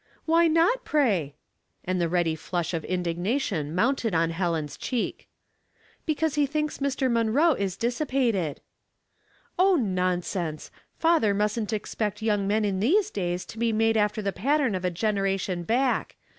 " Why not, pray ?" and the ready flush of indignation mounted on Helen's cheek. "Because he thinks Mr. Munroe is dissi pated." " Oh, nonsense ! father musn't expect young men in these days to be made after the pattern of a generation back.